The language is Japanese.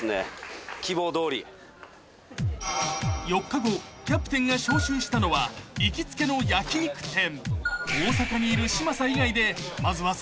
［４日後キャプテンが招集したのは行きつけの焼き肉店］